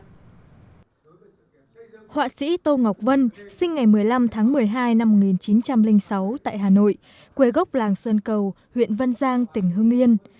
họa sĩ tô ngọc vân sinh ngày một mươi năm tháng một mươi hai năm một nghìn chín trăm linh sáu tại hà nội quê gốc làng xuân cầu huyện văn giang tỉnh hưng yên